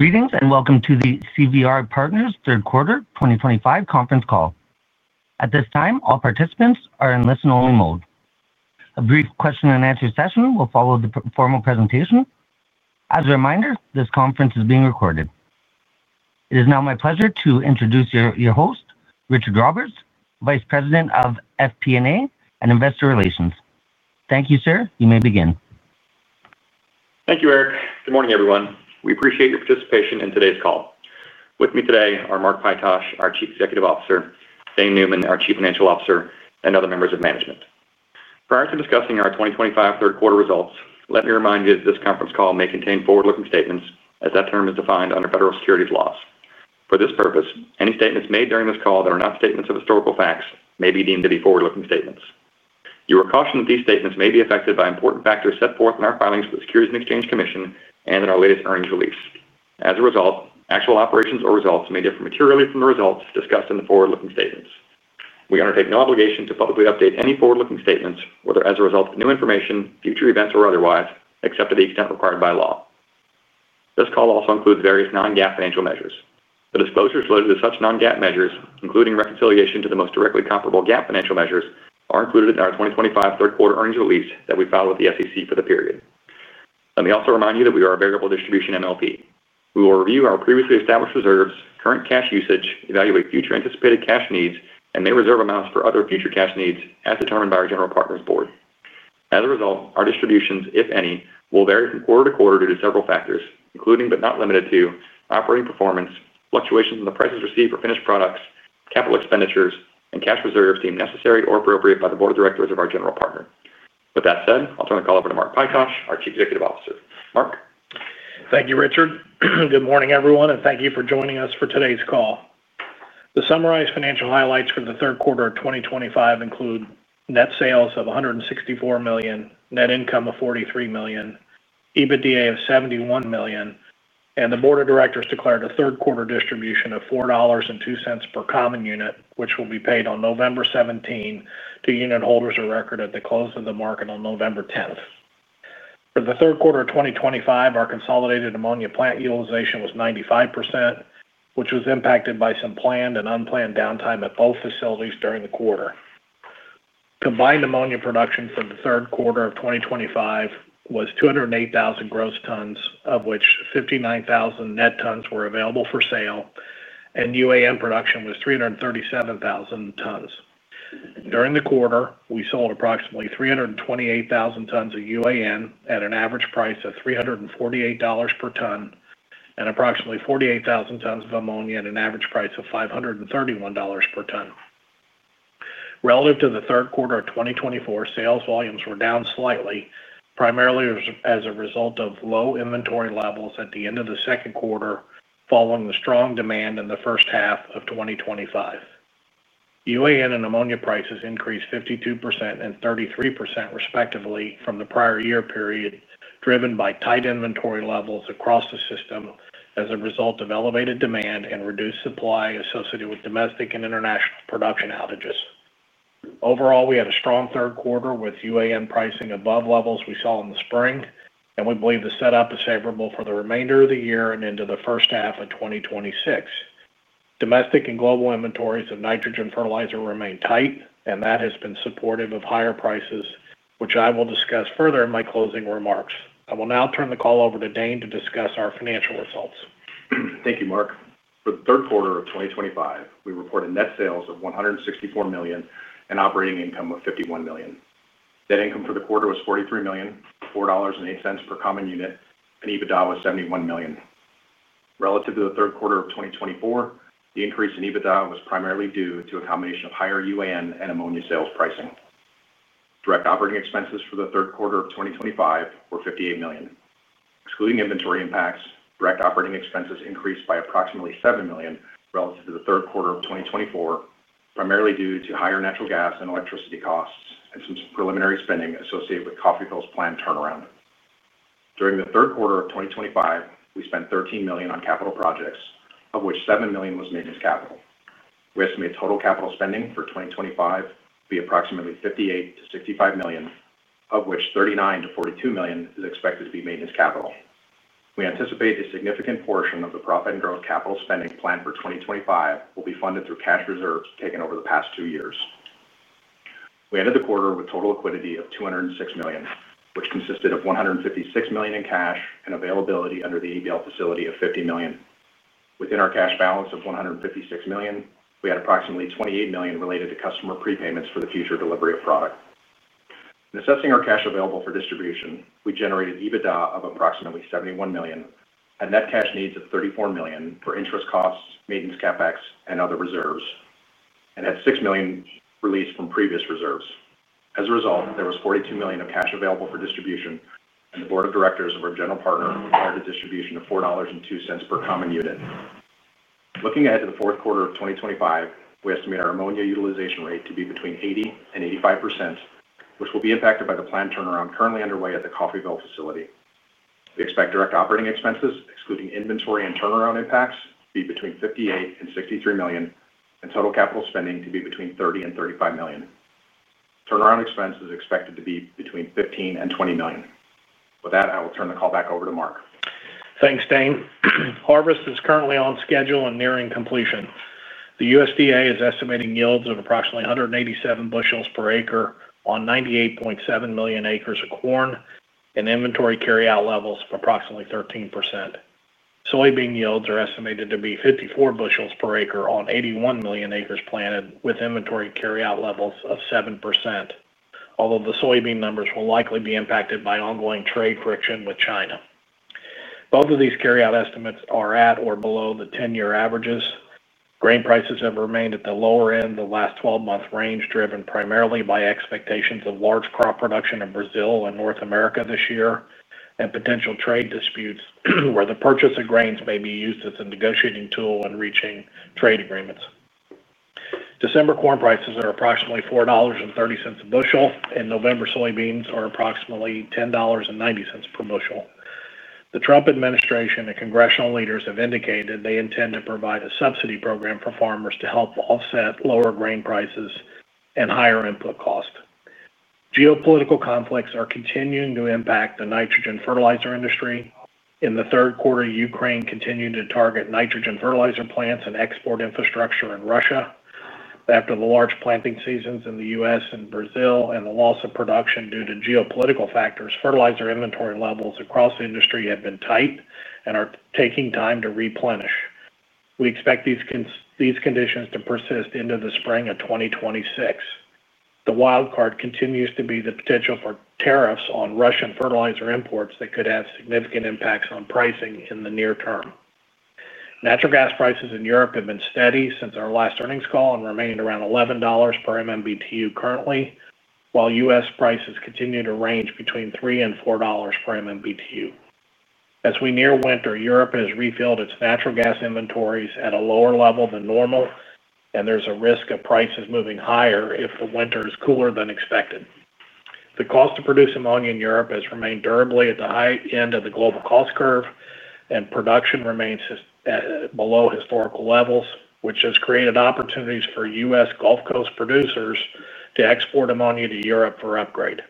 Greetings and welcome to the CVR Partners third quarter 2025 conference call. At this time, all participants are in listen-only mode. A brief question and answer session will follow the formal presentation. As a reminder, this conference is being recorded. It is now my pleasure to introduce your host, Richard Roberts, Vice President of FP&A and Investor Relations. Thank you, sir. You may begin. Thank you, Eric. Good morning everyone. We appreciate your participation in today's call. With me today are Mark Pytosh, our Chief Executive Officer, Dane Neumann, our Chief Financial Officer, and other members of management. Prior to discussing our 2025 third quarter results, let me remind you that this conference call may contain forward-looking statements as that term is defined under federal securities laws. For this purpose, any statements made during this call that are not statements of historical facts may be deemed to be forward-looking statements. You are cautioned that these statements may be affected by important factors set forth in our filings with the Securities and Exchange Commission and in our latest earnings release. As a result, actual operations or results may differ materially from the results discussed in the forward-looking statements. We undertake no obligation to publicly update any forward-looking statements, whether as a result of new information, future events, or otherwise, except to the extent required by law. This call also includes various non-GAAP financial measures. The disclosures related to such non-GAAP measures, including reconciliation to the most directly comparable GAAP financial measures, are included in our 2025 third quarter earnings release that we filed with the SEC for the period. Let me also remind you that we are a variable distribution MLP. We will review our previously established reserves, current cash usage, evaluate future anticipated cash needs, and may reserve amounts for other future cash needs as determined by our General Partner's Board. As a result, our distributions, if any, will vary from quarter to quarter due to several factors including but not limited to operating performance, fluctuations in the prices received for finished products, capital expenditures, and cash reserves deemed necessary or appropriate by the Board of Directors of our General Partner. With that said, I'll turn the call over to Mark Pytosh, our Chief Executive Officer. Mark, thank you, Richard. Good morning everyone, and thank you for joining us for today's call. The summarized financial highlights for the third quarter of 2025 include net sales of $164 million, net income of $43 million, EBITDA of $71 million, and the Board of Directors declared a third quarter distribution of $4.02 per common unit, which will be paid on November 17 to unitholders of record at the close of the market on November 10. For the third quarter of 2025, our consolidated ammonia plant utilization was 95%, which was impacted by some planned and unplanned downtime at both facilities during the quarter. Combined ammonia production for the third quarter of 2025 was 208,000 gross tons, of which 59,000 net tons were available for sale, and UAN production was 337,000 tons. During the quarter, we sold approximately 328,000 tons of UAN at an average price of $348 per ton and approximately 48,000 tons of ammonia at an average price of $531 per ton. Relative to the third quarter of 2024, sales volumes were down slightly, primarily as a result of low inventory levels at the end of the second quarter following the strong demand in the first half of 2025. UAN and ammonia prices increased 52% and 33%, respectively, from the prior year period, driven by tight inventory levels across the system as a result of elevated demand and reduced supply associated with domestic and international production outages. Overall, we had a strong third quarter with UAN pricing above levels we saw in the spring, and we believe the setup is favorable for the remainder of the year and into the first half of 2026. Domestic and global inventories of nitrogen fertilizer remain tight, and that has been supportive of higher prices, which I will discuss further in my closing remarks. I will now turn the call over to Dane to discuss our financial results. Thank you, Mark. For the third quarter of 2025, we reported net sales of $164 million and operating income of $51 million. Net income for the quarter was $43 million, $4.08 per common unit, and EBITDA was $71 million. Relative to the third quarter of 2024, the increase in EBITDA was primarily due to a combination of higher UAN and ammonia sales pricing. Direct operating expenses for the third quarter of 2025 were $58 million. Excluding inventory impacts, direct operating expenses increased by approximately $7 million relative to the third quarter of 2024, primarily due to higher natural gas and electricity costs and some preliminary spending associated with Coffeyville's planned turnaround. During the third quarter of 2025, we spent $13 million on capital projects, of which $7 million was maintenance capital. We estimate total capital spending for 2025 to be approximately $58 million to $65 million, of which $39 million to $42 million is expected to be maintenance capital. We anticipate a significant portion of the profit and growth capital spending plan for 2025 will be funded through cash reserves taken over the past two years. We ended the quarter with total liquidity of $206 million, which consisted of $156 million in cash and availability under the ABL facility of $50 million. Within our cash balance of $156 million, we had approximately $28 million related to customer prepayments for the future delivery of product. Assessing our cash available for distribution, we generated EBITDA of approximately $71 million and net cash needs of $34 million for interest costs, maintenance, CapEx and other reserves, and had $6 million released from previous reserves. As a result, there was $42 million of cash available for distribution and the Board of Directors of our General Partner declared a distribution of $4.02 per common unit. Looking ahead to the fourth quarter of 2025, we estimate our ammonia utilization rate to be between 80% and 85%, which will be impacted by the planned turnaround currently underway at the Coffeyville facility. We expect direct operating expenses excluding inventory and turnaround impacts to be between $58 million and $63 million, and total capital spending to be between $30 million and $35 million. Turnaround expense is expected to be between $15 million and $20 million. With that, I will turn the call back over to Mark. Thanks. Dane, harvest is currently on schedule and nearing completion. The USDA is estimating yields of approximately 187 bushels per acre on 98.7 million acres of corn and inventory carryout levels of approximately 13%. Soybean yields are estimated to be 54 bushels per acre on 81 million acres planted with inventory carryout levels of 7%. Although the soybean numbers will likely be impacted by ongoing trade friction with China, both of these carryout estimates are at or below the 10-year averages. Grain prices have remained at the lower end of the last 12-month range, driven primarily by expectations of large crop production in Brazil and North America this year and potential trade disputes where the purchase of grains may be used as a negotiating tool when reaching trade agreements. December corn prices are approximately $4.30 a bushel and November soybeans are approximately $10.90 per bushel. The Trump administration and congressional leaders have indicated they intend to provide a subsidy program for farmers to help offset lower grain prices and higher input cost. Geopolitical conflicts are continuing to impact the nitrogen fertilizer industry. In the third quarter, Ukraine continued to target nitrogen fertilizer plants and export infrastructure in Russia after the large planting seasons in the U.S. and Brazil and the loss of production due to geopolitical factors. Fertilizer inventory levels across the industry have been tight and are taking time to replenish. We expect these conditions to persist into the spring of 2026. The wild card continues to be the potential for tariffs on Russian fertilizer imports that could have significant impacts on pricing in the near term. Natural gas prices in Europe have been steady since our last earnings call and remained around $11 per MMBtu currently, while U.S. prices continue to range between $3 and $4 per MMBtu. As we near winter, Europe has refilled its natural gas inventories at a lower level than normal and there's a risk of prices moving higher if the winter is cooler than expected. The cost of producing ammonia in Europe has remained durably at the high end of the global cost curve and production remains below historical levels, which has created opportunities for U.S. Gulf Coast producers to export ammonia to Europe for upgrade.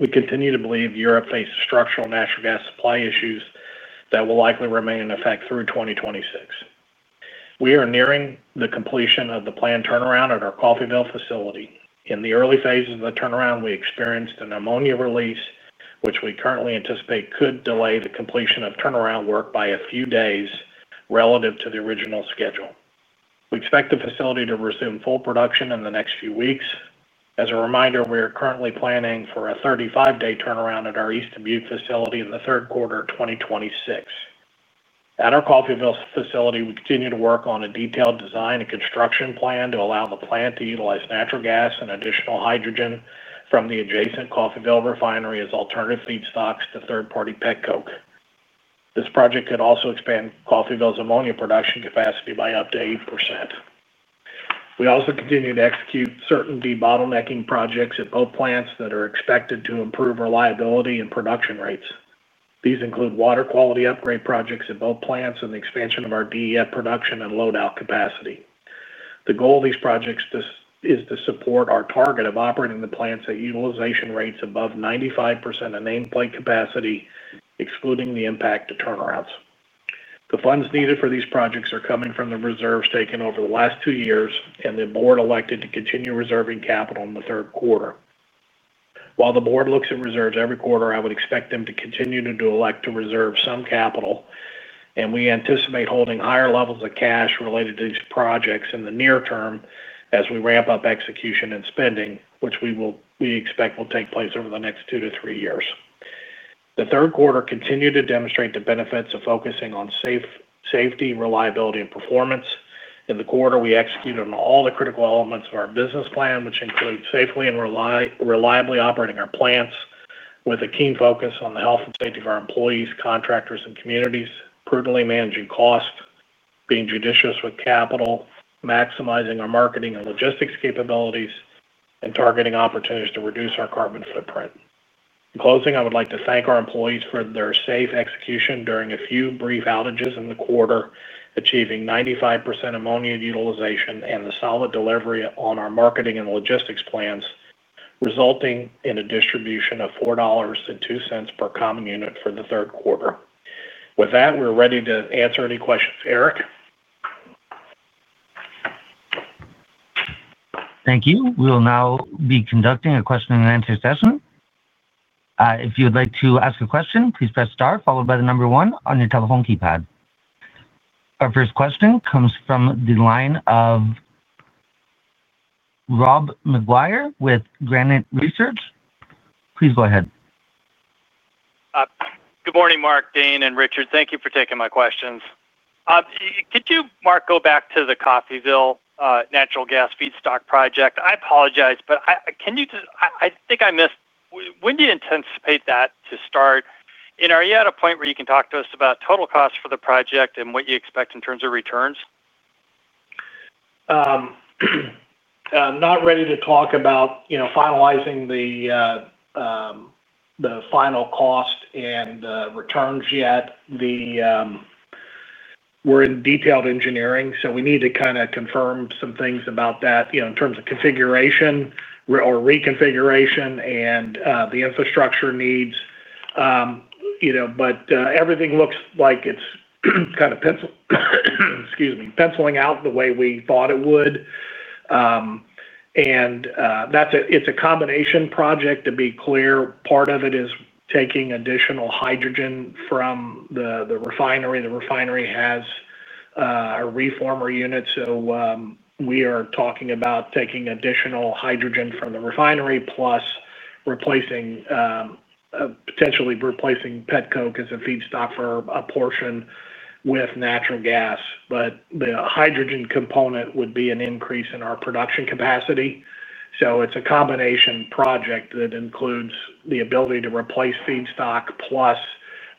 We continue to believe Europe faces structural natural gas supply issues that will likely remain in effect through 2026. We are nearing the completion of the planned turnaround at our Coffeyville facility. In the early phases of the turnaround, we experienced an ammonia release, which we currently anticipate could delay the completion of turnaround work by a few days relative to the original schedule. We expect the facility to resume full production in the next few weeks. As a reminder, we are currently planning for a 35-day turnaround at our East Dubuque facility in the third quarter 2026. At our Coffeyville facility, we continue to work on a detailed design and construction plan to allow the plant to utilize natural gas and additional hydrogen from the adjacent Coffeyville refinery as alternative feedstocks to third-party petcoke. This project could also expand Coffeyville's ammonia production capacity by up to 8%. We also continue to execute certain debottlenecking projects at both plants that are expected to improve reliability and production rates. These include water quality upgrade projects at both plants and the expansion of our DEF production and loadout capacity. The goal of these projects is to support our target of operating the plants at utilization rates above 95% of named plate capacity, excluding the impact of turnarounds. The funds needed for these projects are coming from the reserves taken over the last two years, and the board elected to continue reserving capital in the third quarter. While the board looks at reserves every quarter, I would expect them to continue to elect to reserve some capital, and we anticipate holding higher levels of cash related to these projects in the near term as we ramp up execution and spending, which we expect will take place over the next two to three years. The third quarter continued to demonstrate the benefits of focusing on safety, reliability, and performance. In the quarter, we executed on all the critical elements of our business plan, which include safely and reliably operating our plants, with a keen focus on the health and safety of our employees, contractors, and communities, prudently managing cost, being judicious with capital, maximizing our marketing and logistics capabilities, and targeting opportunities to reduce our carbon footprint. In closing, I would like to thank our employees for their safe execution during a few brief outages in the quarter, achieving 95% ammonia utilization and the solid delivery on our marketing and logistics plans, resulting in a distribution of $4.02 per common unit for the third quarter. With that, we're ready to answer any questions. Eric. Thank you. We will now be conducting a question and answer session. If you would like to ask a question, please press star followed by the number one on your telephone keypad. Our first question comes from the line of Rob McGuire with Granite Research. Please go ahead. Good morning, Mark, Dane, and Richard. Thank you for taking my questions. Could you, Mark, go back to the Coffeyville natural gas feedstock project? I apologize, but can you. I think I missed when you anticipate that to start. Are you at a point where you can talk to us about total cost for the project and what you expect in terms of returns? Not ready to talk about, you know, finalizing the final cost and returns yet. We're in detailed engineering, so we need to kind of confirm some things about that, you know, in terms of configuration or reconfiguration and the infrastructure needs, you know, but everything looks like it's kind of, excuse me, penciling out the way we thought it would. It's a combination project. To be clear, part of it is taking additional hydrogen from the refinery. The refinery has a reformer unit, so we are talking about taking additional hydrogen from the refinery plus potentially replacing petcoke as a feedstock for a portion with natural gas. The hydrogen component would be an increase in our production capacity. It's a combination project that includes the ability to replace feedstock plus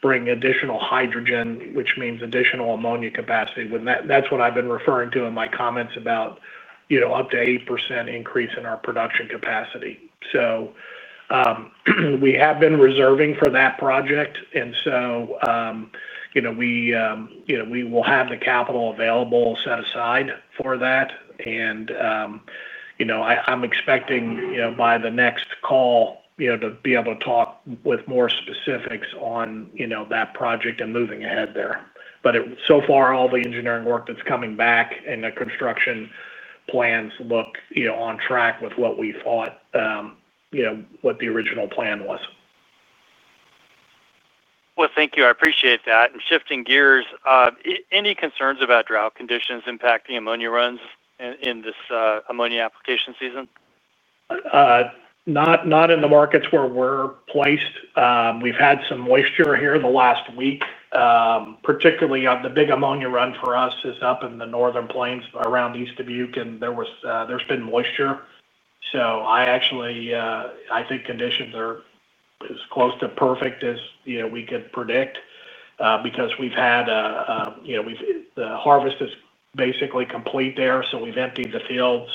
bring additional hydrogen, which means additional ammonia capacity. That's what I've been referring to in my comments about up to 8% increase in our production capacity. We have been reserving for that project, and we will have the capital available set aside for that. I'm expecting by the next call, you know, to be able to talk with more specifics on, you know, that project and moving ahead there. So far, all the engineering work that's coming back and the construction plans look, you know, on track with what we thought, what the original plan was. Thank you. I appreciate that. Shifting gears, any concerns about drought conditions impacting ammonia runs in this ammonia application season? Not in the markets where we're placed. We've had some moisture here the last week, particularly the big ammonia run for us is up in the Northern Plains around East Dubuque. There's been moisture. I actually think conditions are as close to perfect as we could predict because we've had, you know, we've. The harvest is basically complete there. We've emptied the fields,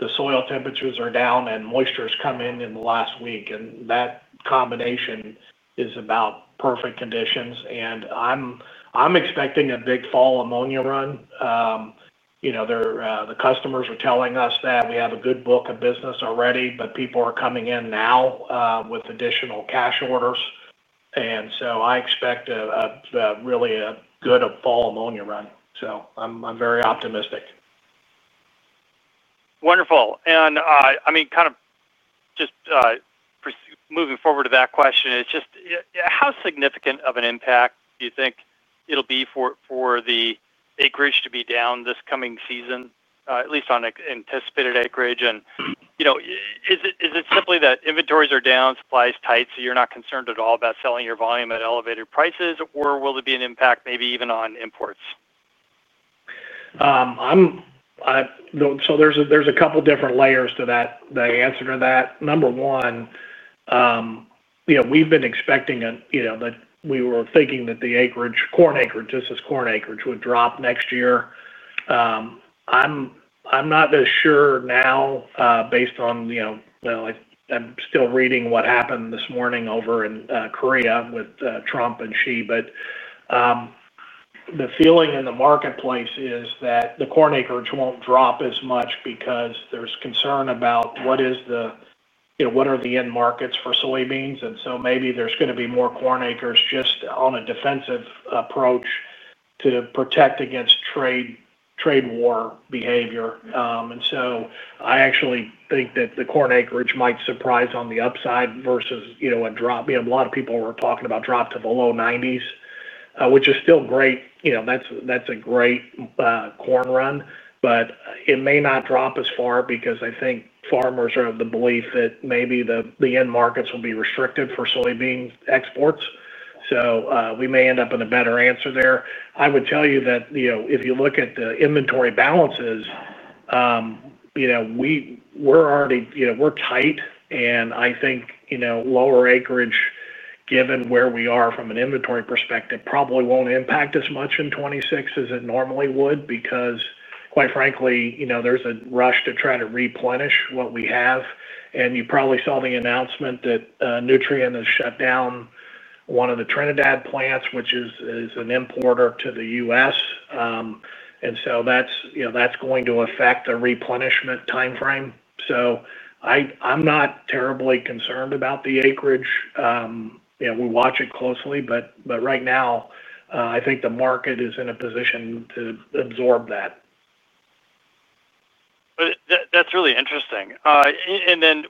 the soil temperatures are down, and moisture's come in in the last week. That combination is about perfect conditions. I'm expecting a big fall ammonia run. The customers are telling us that we have a good book of business already, but people are coming in now with additional cash orders. I expect really a good fall ammonia run. I'm very optimistic. Wonderful. Kind of just moving forward to that question, it's just how significant of an impact do you think it'll be for the acreage to be down this coming season, at least on anticipated acreage? You know, is it simply that inventories are down, supply is tight, so you're not concerned at all about selling your volume at elevated prices, or will there be an impact, maybe even on imports? There's a couple different layers to that. The answer to that, number one, we've been expecting, you know, that we were thinking that the acreage, corn acreage, this is corn acreage, would drop next year. I'm not as sure now based on, you know, I'm still reading what happened this morning over in Korea with Trump and Xi, but the feeling in the marketplace is that the corn acreage won't drop as much because there's concern about what is the, you know, what are the end markets for soybeans. Maybe there's going to be more corn acres just on a defensive approach to protect against trade, trade war behavior. I actually think that the corn acreage might surprise on the upside versus, you know, a drop a lot of people were talking about, drop to the low 90s, which is still great. That's a great corn run, but it may not drop as far because I think farmers are of the belief that maybe the end markets will be restricted for soybean exports. We may end up in a better answer there. I would tell you that, you know, if you look at the inventory balances, you know, we're already, you know, we're tight. I think, you know, lower acreage, given where we are from an inventory perspective, probably won't impact as much in 2026 as it normally would because, quite frankly, there's a rush to try to replenish what we have. You probably saw the announcement that Nutrien has shut down one of the Trinidad plants, which is an importer to the U.S., and that's going to affect the replenishment time frame. I'm not terribly concerned about the acreage. We watch it closely, but right now I think the market is in a position to absorb that. That's really interesting.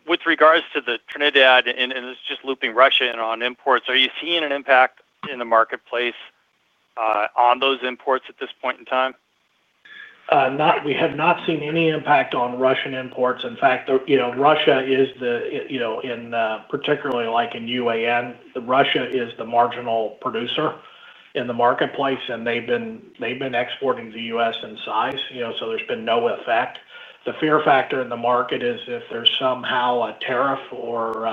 With regards to Trinidad and just looping Russia in on imports, are you seeing an impact in the marketplace on those imports? At this point in time, we have. Not seen any impact on Russian imports. In fact, Russia is the in. Particularly like in UAN, Russia is the marginal producer in the marketplace, and they've been exporting the U.S. in size. There's been no effect. The fear factor in the market is if there's somehow a tariff or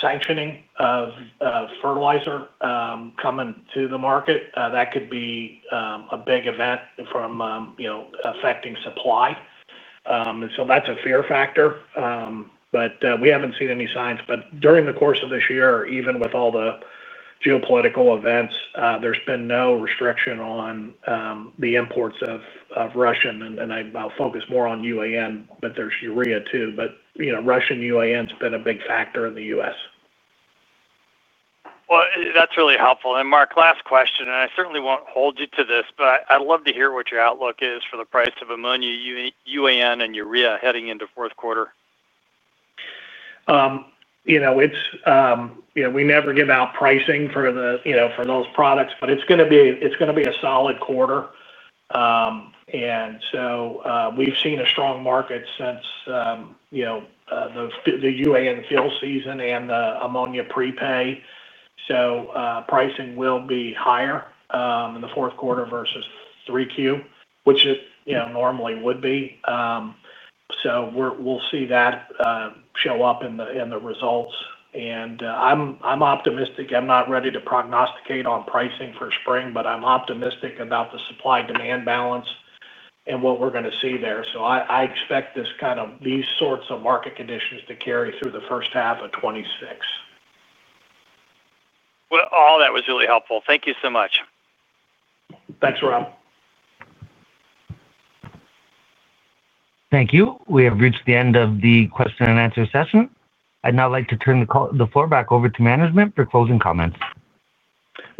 sanctioning of fertilizer coming to the market, that could be a big event from affecting supply. That's a fear factor, but we haven't seen any signs. During the course of this year, even with all the geopolitical events, there's been no restriction on the imports of Russian. I'll focus more on UAN, but there's urea too. Russian UAN's been a big factor in the U.S. That's really helpful. Mark, last question, I certainly won't hold you to this, but I'd love to hear what your outlook is for the price of ammonia, UAN, and urea heading into the fourth quarter. We never give out pricing for those products, but it's going to be a solid quarter. We've seen a strong market since the UAN fuel season and the ammonia prepay. Pricing will be higher in the fourth quarter versus 3Q, which it normally would be. We'll see that show up in the results. I'm optimistic, I'm not ready to prognosticate on pricing for spring, but I'm optimistic about the supply-demand balance and what we're going to see there. I expect these sorts of market conditions to carry through first half of 2026. That was really helpful. Thank you so much. Thanks, Rob. Thank you. We have reached the end of the question and answer session. I'd now like to turn the floor back over to management for closing comments.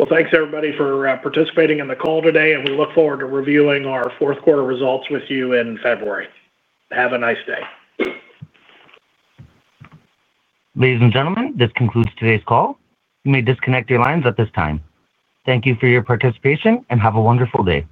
Thank you everybody for participating in the call today. We look forward to reviewing our fourth quarter results with you in February. Have a nice day. Ladies and gentlemen, this concludes today's call. You may disconnect your lines at this time. Thank you for your participation and have a wonderful day.